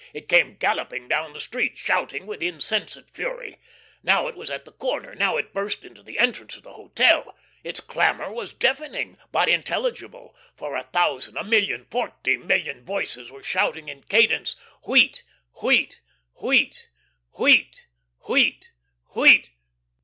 It came galloping down the street, shouting with insensate fury; now it was at the corner, now it burst into the entrance of the hotel. Its clamour was deafening, but intelligible. For a thousand, a million, forty million voices were shouting in cadence: "Wheat wheat wheat, wheat wheat wheat."